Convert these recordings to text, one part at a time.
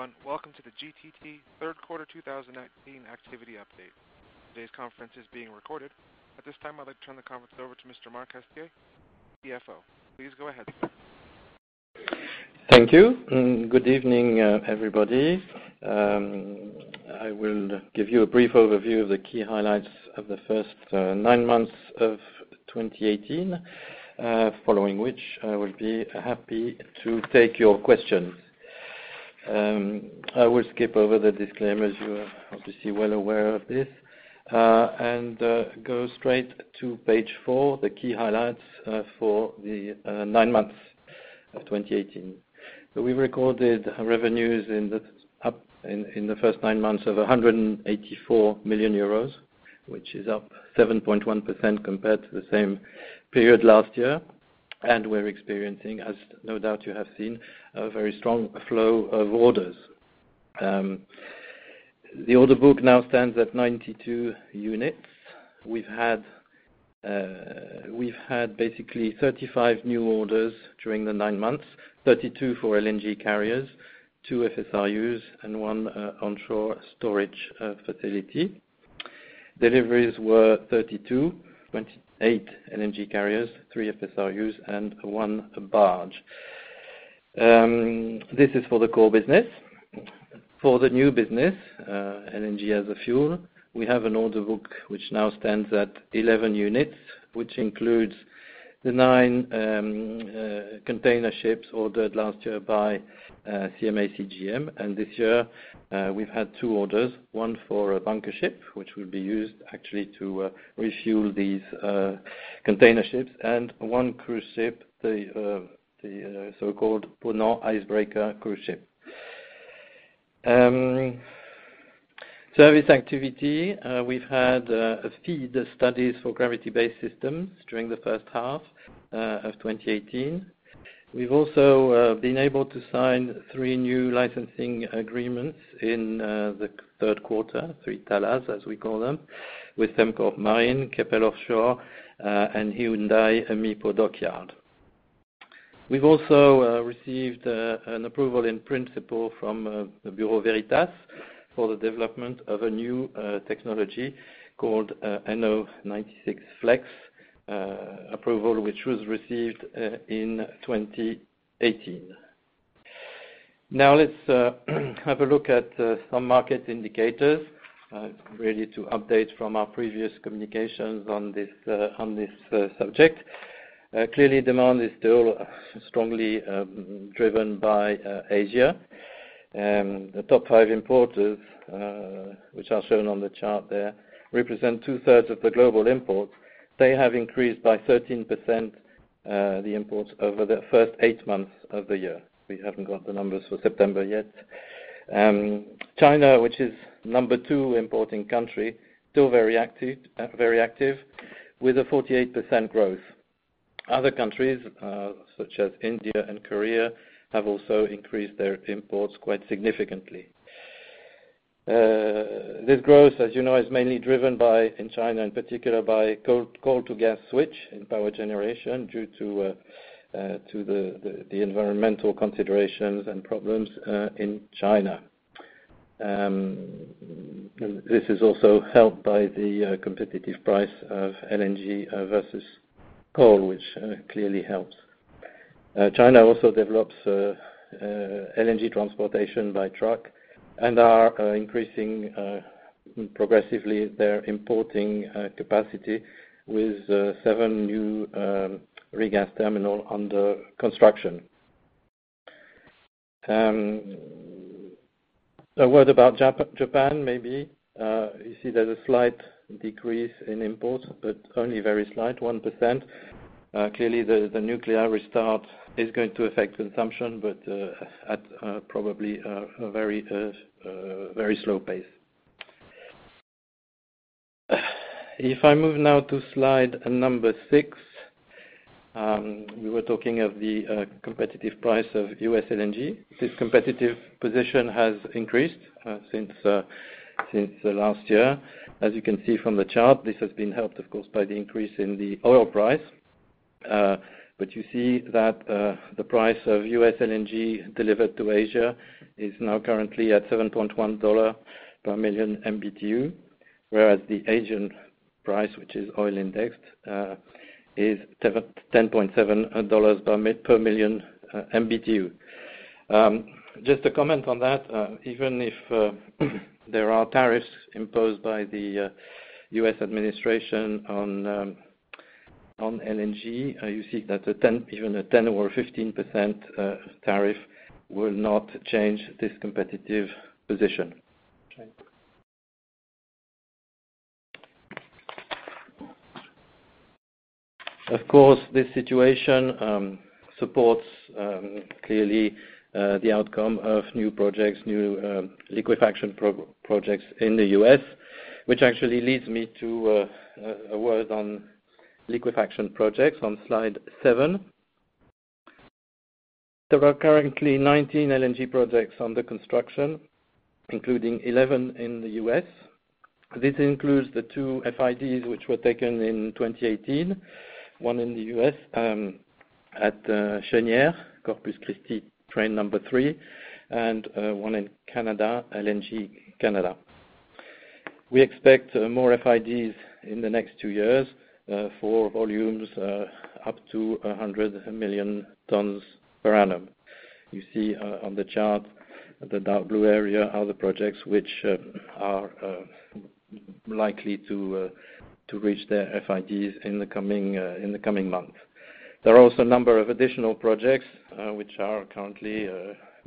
Hey everyone, welcome to the GTT third quarter 2019 activity update. Today's conference is being recorded. At this time, I'd like to turn the conference over to Mr. Marc Haestier, CFO. Please go ahead. Thank you. Good evening, everybody. I will give you a brief overview of the key highlights of the first nine months of 2018, following which I will be happy to take your questions. I will skip over the disclaimers, you are obviously well aware of this, and go straight to page four, the key highlights for the nine months of 2018. We recorded revenues in the first nine months of 184 million euros, which is up 7.1% compared to the same period last year, and we're experiencing, as no doubt you have seen, a very strong flow of orders. The order book now stands at 92 units. We've had basically 35 new orders during the nine months: 32 for LNG carriers, two FSRUs, and one onshore storage facility. Deliveries were 32: 28 LNG carriers, three FSRUs, and one barge. This is for the core business. For the new business, LNG as a fuel, we have an order book which now stands at 11 units, which includes the nine container ships ordered last year by CMA CGM. And this year, we've had two orders: one for a bunker ship, which will be used actually to refuel these container ships, and one cruise ship, the so-called PONANT icebreaker cruise ship. Service activity: we've had FEED studies for gravity-based systems during the first half of 2018. We've also been able to sign three new licensing agreements in the third quarter, three TALAs as we call them, with Sembcorp Marine, Keppel Offshore & Marine, and Hyundai Mipo Dockyard. We've also received an approval in principle from Bureau Veritas for the development of a new technology called NO96 Flex approval, which was received in 2018. Now let's have a look at some market indicators, really to update from our previous communications on this subject. Clearly, demand is still strongly driven by Asia. The top five importers, which are shown on the chart there, represent two-thirds of the global imports. They have increased by 13% the imports over the first eight months of the year. We haven't got the numbers for September yet. China, which is the number two importing country, is still very active, with a 48% growth. Other countries, such as India and Korea, have also increased their imports quite significantly. This growth, as you know, is mainly driven by, in China in particular, by coal-to-gas switch in power generation due to the environmental considerations and problems in China. This is also helped by the competitive price of LNG versus coal, which clearly helps. China also develops LNG transportation by truck and are increasing progressively their importing capacity with seven new regasification terminals under construction. A word about Japan, maybe. You see there's a slight decrease in imports, but only very slight, 1%. Clearly, the nuclear restart is going to affect consumption, but at probably a very slow pace. If I move now to slide number six, we were talking of the competitive price of U.S. LNG. This competitive position has increased since last year. As you can see from the chart, this has been helped, of course, by the increase in the oil price. But you see that the price of U.S. LNG delivered to Asia is now currently at $7.1 per million MMBtu, whereas the Asian price, which is oil indexed, is $10.7 per million MMBtu. Just a comment on that: even if there are tariffs imposed by the U.S. administration on LNG, you see that even a 10% or 15% tariff will not change this competitive position. Of course, this situation supports clearly the outcome of new projects, new liquefaction projects in the U.S., which actually leads me to a word on liquefaction projects on slide seven. There are currently 19 LNG projects under construction, including 11 in the U.S. This includes the two FIDs which were taken in 2018, one in the U.S. at Cheniere, Corpus Christi, train number three, and one in Canada, LNG Canada. We expect more FIDs in the next two years for volumes up to 100 million tons per annum. You see on the chart the dark blue area are the projects which are likely to reach their FIDs in the coming months. There are also a number of additional projects which are currently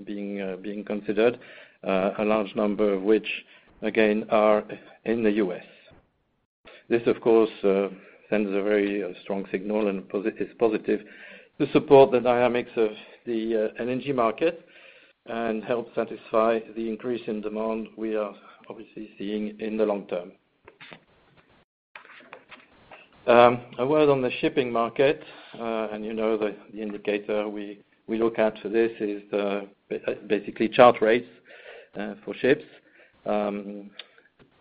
being considered, a large number of which, again, are in the U.S. This, of course, sends a very strong signal and is positive to support the dynamics of the energy market and help satisfy the increase in demand we are obviously seeing in the long term. A word on the shipping market, and you know the indicator we look at for this is basically charter rates for ships.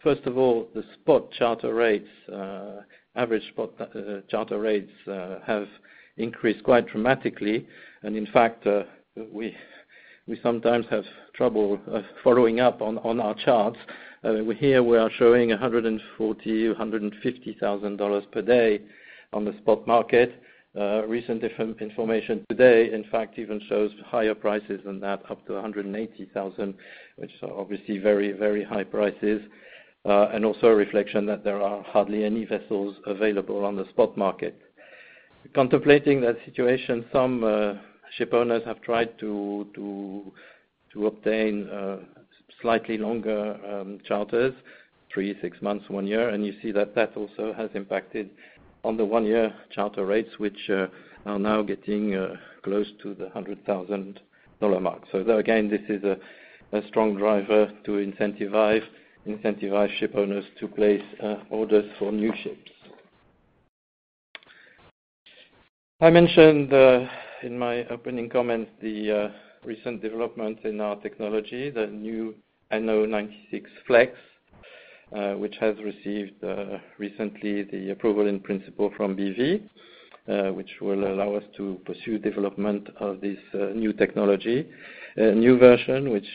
First of all, the spot charter rates, average spot charter rates, have increased quite dramatically, and in fact, we sometimes have trouble following up on our charts. Here we are showing $140,000, $150,000 per day on the spot market. Recent information today, in fact, even shows higher prices than that, up to $180,000, which are obviously very, very high prices, and also a reflection that there are hardly any vessels available on the spot market. Contemplating that situation, some ship owners have tried to obtain slightly longer charters, three, six months, one year, and you see that that also has impacted on the one-year charter rates, which are now getting close to the $100,000 mark. So again, this is a strong driver to incentivize ship owners to place orders for new ships. I mentioned in my opening comments the recent development in our technology, the new NO96 Flex, which has received recently the approval in principle from BV, which will allow us to pursue development of this new technology. A new version which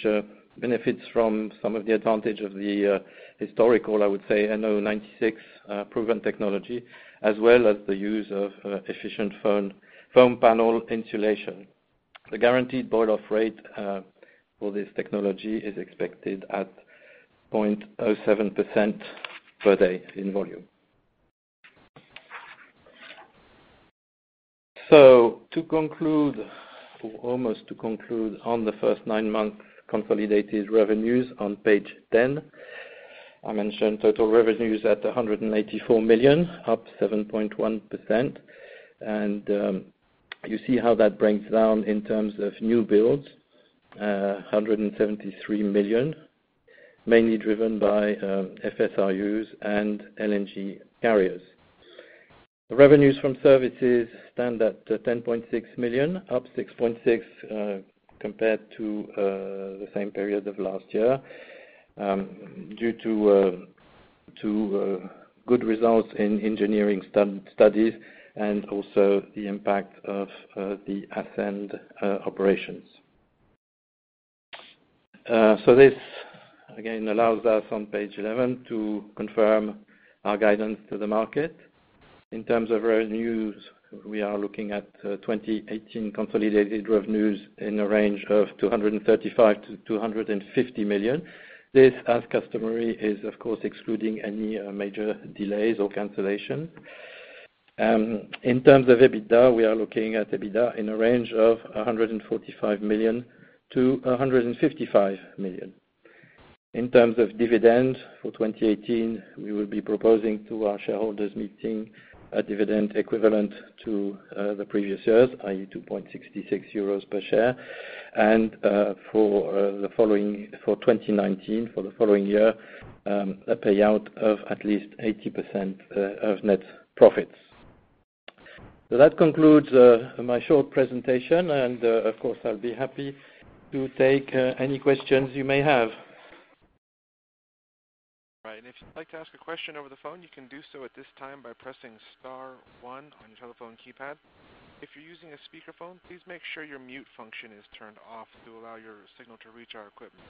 benefits from some of the advantages of the historical, I would say, NO96 proven technology, as well as the use of efficient foam panel insulation. The guaranteed boil-off rate for this technology is expected at 0.07% per day in volume. So to conclude, almost to conclude on the first nine months' consolidated revenues on page 10, I mentioned total revenues at 184 million, up 7.1%, and you see how that breaks down in terms of new builds, 173 million, mainly driven by FSRUs and LNG carriers. Revenues from services stand at 10.6 million, up 6.6% compared to the same period of last year due to good results in engineering studies and also the impact of the Ascenz operations. So this, again, allows us on page 11 to confirm our guidance to the market. In terms of revenues, we are looking at 2018 consolidated revenues in a range of 235 million-250 million. This, as customary, is, of course, excluding any major delays or cancellations. In terms of EBITDA, we are looking at EBITDA in a range of 145 million-155 million. In terms of dividends for 2018, we will be proposing to our shareholders meeting a dividend equivalent to the previous years, i.e., €2.66 per share, and for the following for 2019, for the following year, a payout of at least 80% of net profits. So that concludes my short presentation, and of course, I'll be happy to take any questions you may have. All right. And if you'd like to ask a question over the phone, you can do so at this time by pressing star one on your telephone keypad. If you're using a speakerphone, please make sure your mute function is turned off to allow your signal to reach our equipment.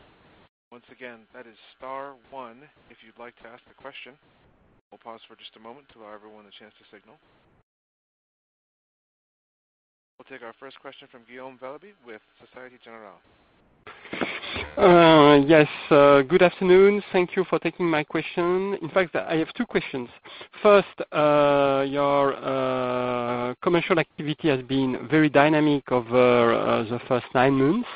Once again, that is star one if you'd like to ask a question. We'll pause for just a moment to allow everyone a chance to signal. We'll take our first question from Guillaume Delaby with Société Générale. Yes. Good afternoon. Thank you for taking my question. In fact, I have two questions. First, your commercial activity has been very dynamic over the first 9 months.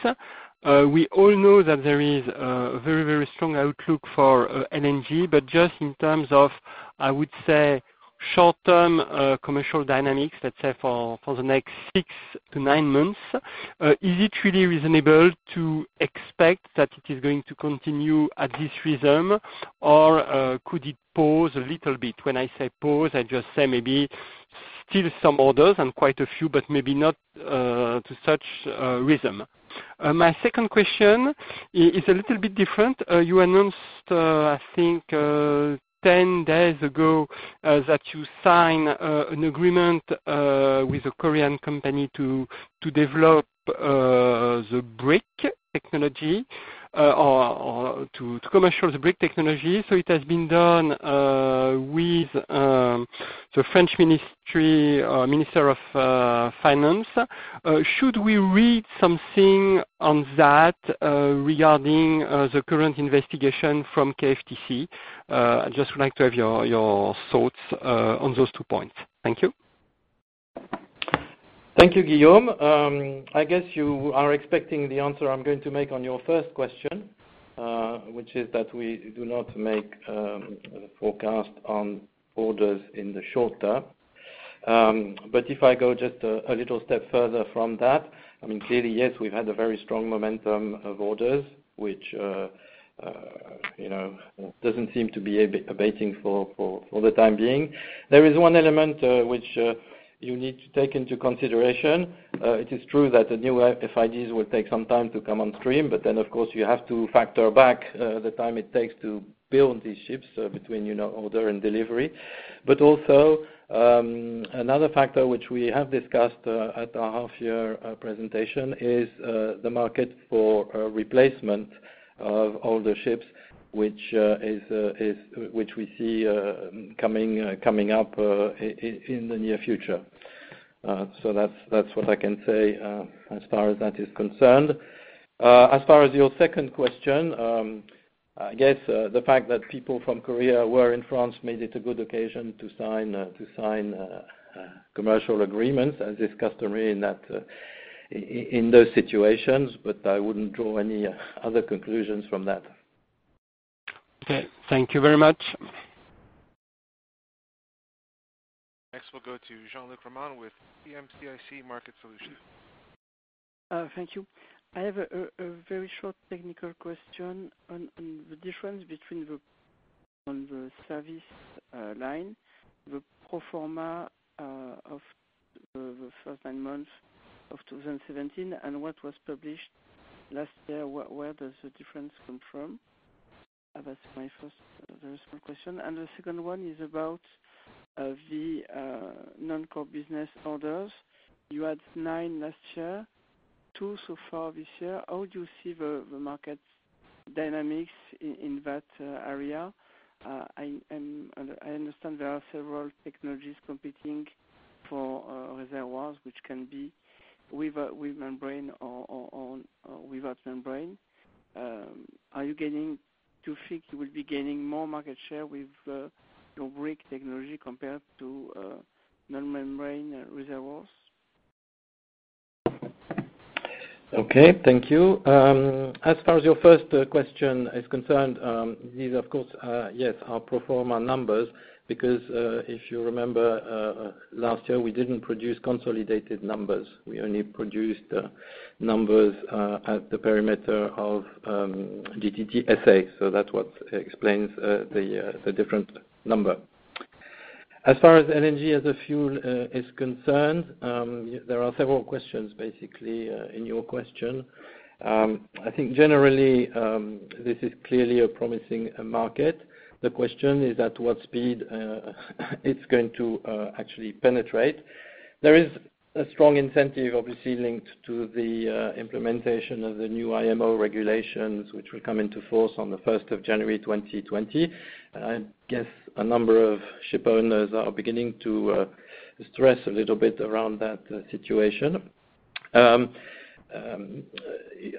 We all know that there is a very, very strong outlook for LNG, but just in terms of, I would say, short-term commercial dynamics, let's say for the next six to nine months, is it really reasonable to expect that it is going to continue at this rhythm, or could it pause a little bit? When I say pause, I just say maybe still some orders and quite a few, but maybe not to such rhythm. My second question is a little bit different. You announced, I think, 10 days ago that you signed an agreement with a Korean company to develop the LNG Brick technology or to commercialize the LNG Brick technology. So it has been done with the French Ministry of Finance. Should we read something on that regarding the current investigation from KFTC? I just would like to have your thoughts on those two points. Thank you. Thank you, Guillaume. I guess you are expecting the answer I'm going to make on your first question, which is that we do not make a forecast on orders in the short term. But if I go just a little step further from that, I mean, clearly, yes, we've had a very strong momentum of orders, which doesn't seem to be abating for the time being. There is one element which you need to take into consideration. It is true that the new FIDs will take some time to come on stream, but then, of course, you have to factor back the time it takes to build these ships between order and delivery. But also, another factor which we have discussed at our half-year presentation is the market for replacement of older ships, which we see coming up in the near future. That's what I can say as far as that is concerned. As far as your second question, I guess the fact that people from Korea were in France made it a good occasion to sign commercial agreements, as is customary in those situations, but I wouldn't draw any other conclusions from that. Okay. Thank you very much. Next, we'll go to Jean-Luc Romain with CM-CIC Market Solutions. Thank you. I have a very short technical question on the difference between the service line, the pro forma of the first nine months of 2017, and what was published last year. Where does the difference come from? That's my first very small question. The second one is about the non-core business orders. You had nine last year, two so far this year. How do you see the market dynamics in that area? I understand there are several technologies competing for reservoirs, which can be with membrane or without membrane. Are you getting to think you will be gaining more market share with your Brick technology compared to non-membrane reservoirs? Okay. Thank you. As far as your first question is concerned, these, of course, yes, are pro forma numbers because if you remember, last year, we didn't produce consolidated numbers. We only produced numbers at the perimeter of GTT SA. So that's what explains the different number. As far as LNG as a fuel is concerned, there are several questions, basically, in your question. I think, generally, this is clearly a promising market. The question is at what speed it's going to actually penetrate. There is a strong incentive, obviously, linked to the implementation of the new IMO regulations, which will come into force on the 1st of January 2020. I guess a number of ship owners are beginning to stress a little bit around that situation.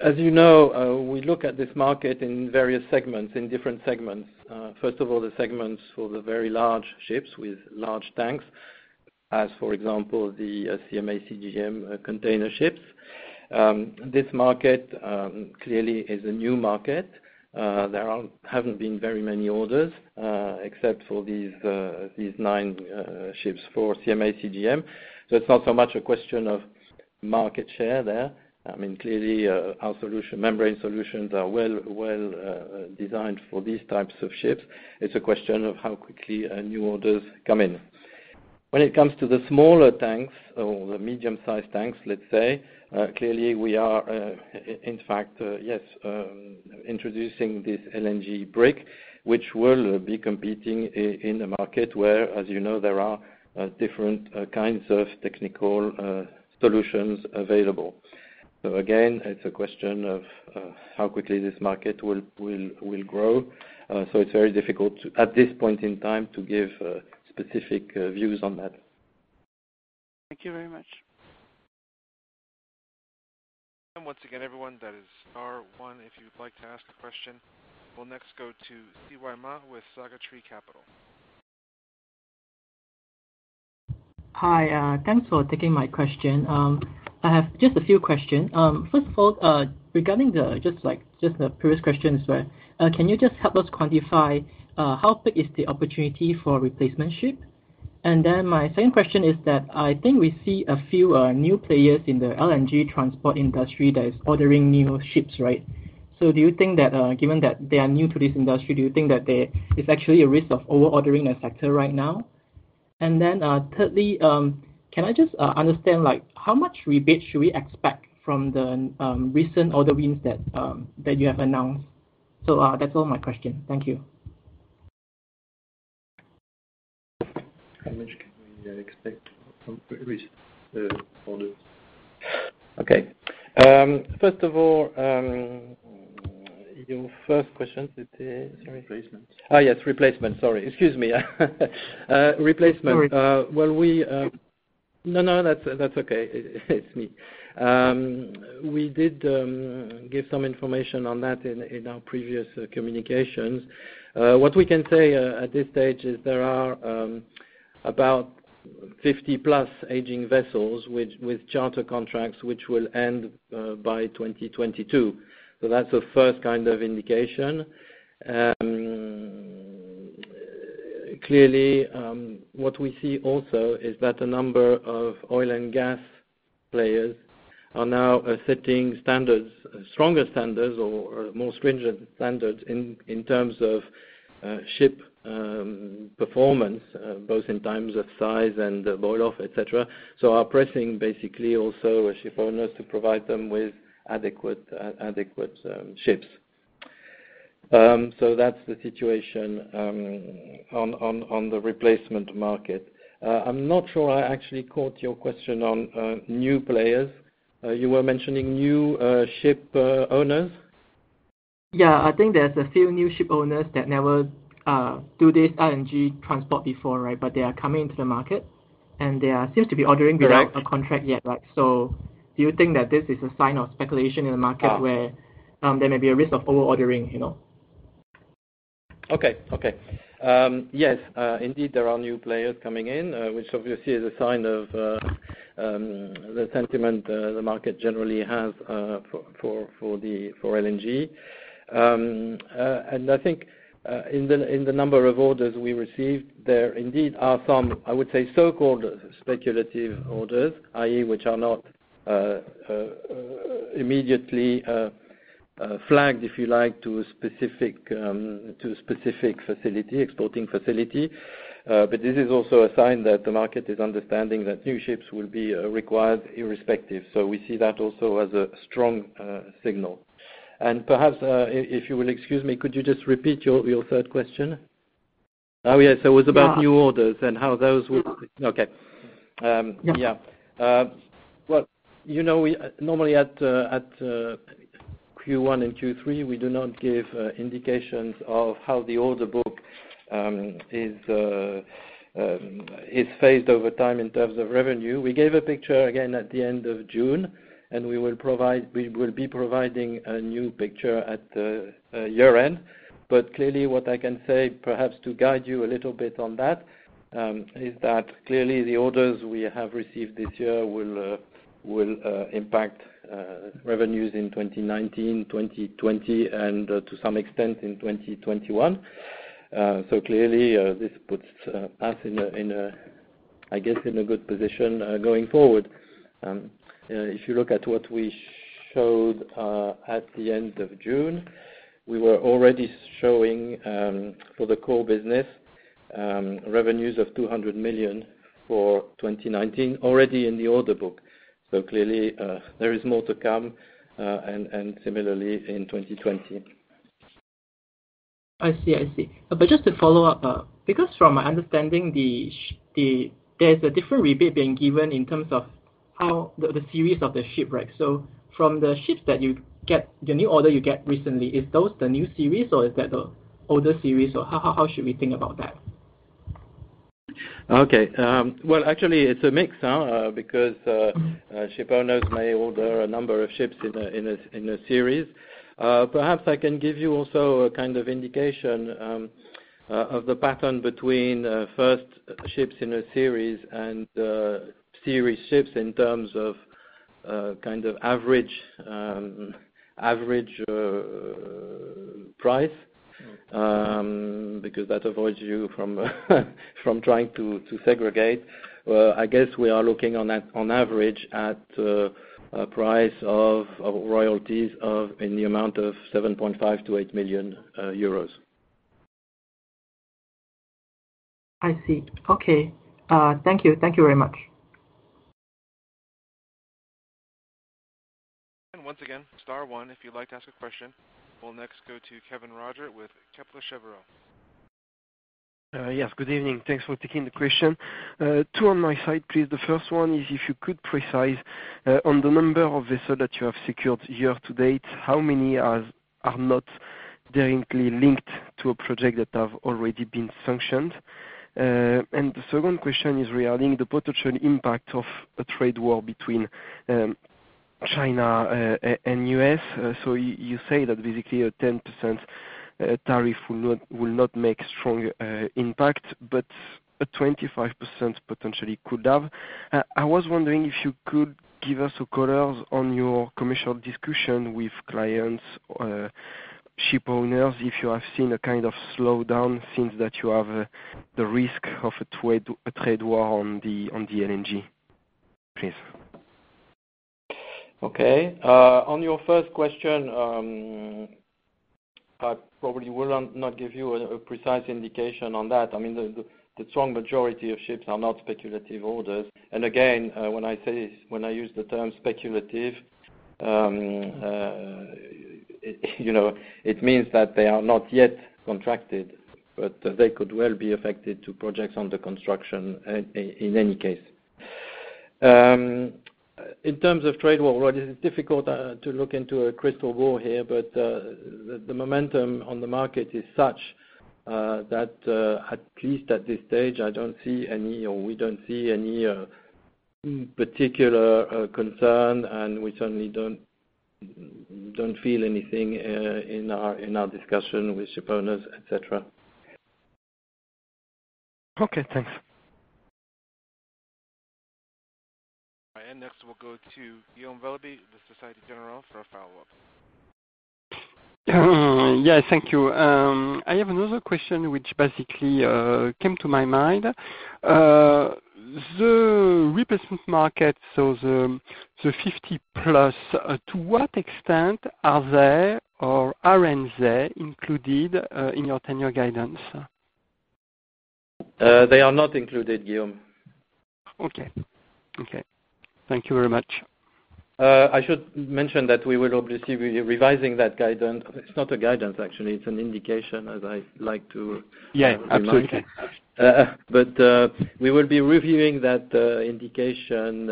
As you know, we look at this market in various segments, in different segments. First of all, the segments for the very large ships with large tanks, as for example, the CMA CGM container ships. This market clearly is a new market. There haven't been very many orders except for these nine ships for CMA CGM. So it's not so much a question of market share there. I mean, clearly, our membrane solutions are well designed for these types of ships. It's a question of how quickly new orders come in. When it comes to the smaller tanks or the medium-sized tanks, let's say, clearly, we are, in fact, yes, introducing this LNG Brick, which will be competing in a market where, as you know, there are different kinds of technical solutions available. So again, it's a question of how quickly this market will grow. So it's very difficult at this point in time to give specific views on that. Thank you very much. And once again, everyone, that is star one if you'd like to ask a question. We'll next go to Siwei Ma with Segantii Capital. Hi. Thanks for taking my question. I have just a few questions. First of all, regarding just the previous question, can you just help us quantify how big is the opportunity for replacement ship? And then my second question is that I think we see a few new players in the LNG transport industry that is ordering new ships, right? So do you think that given that they are new to this industry, do you think that there is actually a risk of over-ordering the sector right now? And then thirdly, can I just understand how much rebate should we expect from the recent order wins that you have announced? So that's all my question. Thank you. How much can we expect from recent orders? Okay. First of all, your first question today? Replacement. Oh, yes, replacement. Sorry. Excuse me. Replacement. Sorry. Well, no, no, that's okay. It's me. We did give some information on that in our previous communications. What we can say at this stage is there are about 50-plus aging vessels with charter contracts which will end by 2022. So that's the first kind of indication. Clearly, what we see also is that a number of oil and gas players are now setting stronger standards or more stringent standards in terms of ship performance, both in terms of size and boil-off, etc. So that's pressing basically also ship owners to provide them with adequate ships. So that's the situation on the replacement market. I'm not sure I actually caught your question on new players. You were mentioning new ship owners? Yeah. I think there's a few new ship owners that never do this LNG transport before, right, but they are coming into the market, and they seem to be ordering without a contract yet, right? So do you think that this is a sign of speculation in the market where there may be a risk of over-ordering? Okay. Okay. Yes, indeed, there are new players coming in, which obviously is a sign of the sentiment the market generally has for LNG. And I think in the number of orders we received, there indeed are some, I would say, so-called speculative orders, i.e., which are not immediately flagged, if you like, to a specific facility, exporting facility. But this is also a sign that the market is understanding that new ships will be required irrespective. So we see that also as a strong signal. And perhaps, if you will excuse me, could you just repeat your third question? Oh, yes. It was about new orders and how those would okay. Yeah. Well, normally at Q1 and Q3, we do not give indications of how the order book is phased over time in terms of revenue. We gave a picture again at the end of June, and we will be providing a new picture at year-end. But clearly, what I can say, perhaps to guide you a little bit on that, is that clearly the orders we have received this year will impact revenues in 2019, 2020, and to some extent in 2021. So clearly, this puts us, I guess, in a good position going forward. If you look at what we showed at the end of June, we were already showing for the core business revenues of 200 million for 2019 already in the order book. So clearly, there is more to come, and similarly in 2020. I see. I see. But just to follow up, because from my understanding, there's a different rebate being given in terms of the series of the ship, right? So from the ships that you get, the new order you get recently, is those the new series, or is that the older series, or how should we think about that? Okay. Well, actually, it's a mix because shipowners may order a number of ships in a series. Perhaps I can give you also a kind of indication of the pattern between first ships in a series and series ships in terms of kind of average price because that avoids you from trying to segregate. I guess we are looking on average at a price of royalties in the amount of 7.5 million-8 million euros. I see. Okay. Thank you. Thank you very much. Once again, star one if you'd like to ask a question. We'll next go to Kevin Roger with Kepler Cheuvreux. Yes. Good evening. Thanks for taking the question. Two on my side, please. The first one is if you could precise on the number of vessels that you have secured year to date, how many are not directly linked to a project that have already been sanctioned? And the second question is regarding the potential impact of a trade war between China and US. So you say that basically a 10% tariff will not make strong impact, but a 25% potentially could have. I was wondering if you could give us a color on your commercial discussion with clients, ship owners, if you have seen a kind of slowdown since that you have the risk of a trade war on the LNG, please. Okay. On your first question, I probably will not give you a precise indication on that. I mean, the strong majority of ships are not speculative orders. And again, when I use the term speculative, it means that they are not yet contracted, but they could well be affected to projects under construction in any case. In terms of trade war, it's difficult to look into a crystal ball here, but the momentum on the market is such that at least at this stage, I don't see any or we don't see any particular concern, and we certainly don't feel anything in our discussion with ship owners, etc. Okay. Thanks. Next, we'll go to Guillaume Delaby, Société Générale for a follow-up. Yes. Thank you. I have another question which basically came to my mind. The replacement market, so the 50+, to what extent are there or aren't they included in your turnover guidance? They are not included, Guillaume. Okay. Okay. Thank you very much. I should mention that we will obviously be revising that guidance. It's not a guidance, actually. It's an indication, as I like to. Yeah. Absolutely. But we will be reviewing that indication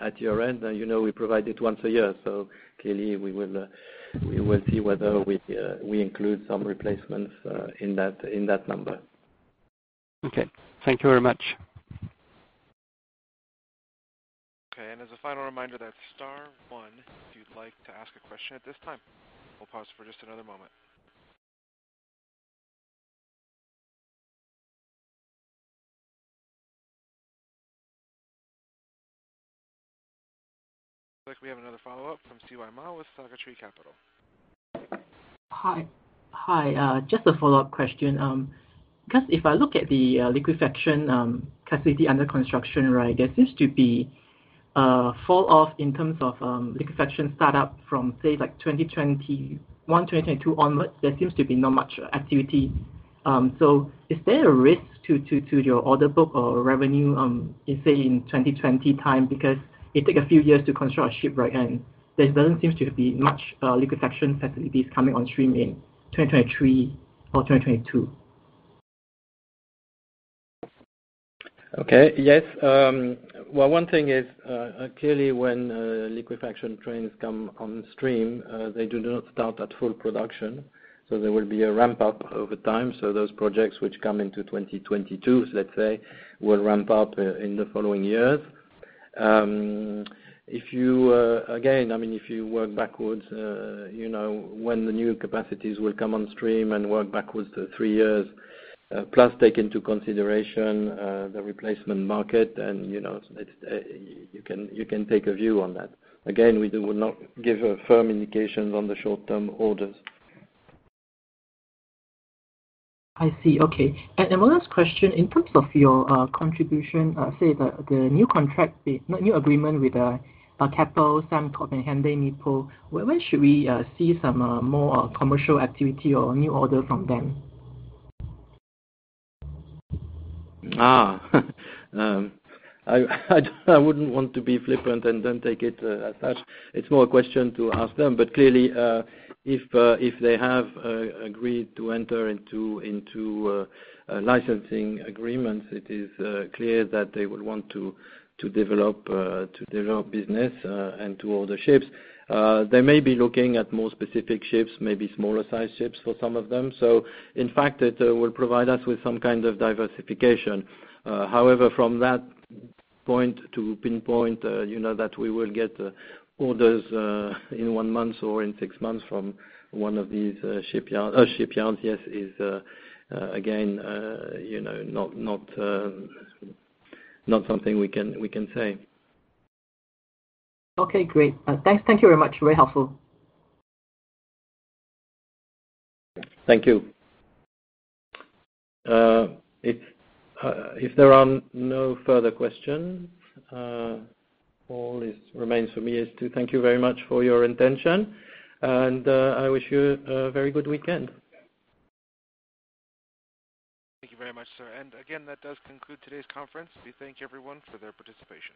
at year-end. We provide it once a year. So clearly, we will see whether we include some replacements in that number. Okay. Thank you very much. Okay. And as a final reminder, that's star one. If you'd like to ask a question at this time, we'll pause for just another moment. Looks like we have another follow-up from Siwei Ma with Segantii Capital. Hi. Just a follow-up question. Because if I look at the liquefaction facility under construction, right, there seems to be a fall-off in terms of liquefaction startup from, say, 2021, 2022 onwards. There seems to be not much activity. So is there a risk to your order book or revenue, say, in 2020 time because it takes a few years to construct a ship, right? And there doesn't seem to be much liquefaction facilities coming on stream in 2023 or 2022. Okay. Yes. Well, one thing is clearly when liquefaction trains come on stream, they do not start at full production. So there will be a ramp-up over time. So those projects which come into 2022, let's say, will ramp up in the following years. Again, I mean, if you work backwards, when the new capacities will come on stream and work backwards to three years, plus take into consideration the replacement market, then you can take a view on that. Again, we will not give firm indications on the short-term orders. I see. Okay. One last question. In terms of your contribution, say the new contract, the new agreement with Keppel, Sembcorp, and Hyundai Mipo, where should we see some more commercial activity or new orders from them? I wouldn't want to be flippant and then take it as such. It's more a question to ask them. But clearly, if they have agreed to enter into licensing agreements, it is clear that they would want to develop business and to order ships. They may be looking at more specific ships, maybe smaller-sized ships for some of them. So in fact, it will provide us with some kind of diversification. However, from that point to pinpoint that we will get orders in one month or in six months from one of these shipyards, yes, is again not something we can say. Okay. Great. Thank you very much. Very helpful. Thank you. If there are no further questions, all that remains for me is to thank you very much for your attention. I wish you a very good weekend. Thank you very much, sir. Again, that does conclude today's conference. We thank everyone for their participation.